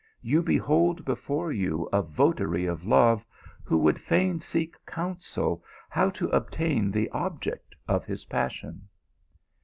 You behold before you a votary of love, who would fain seek counsel how to obtain the object of his passion."